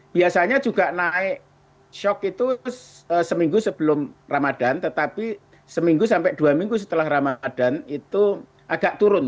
biasanya juga naik shock itu seminggu sebelum ramadan tetapi seminggu sampai dua minggu setelah ramadan itu agak turun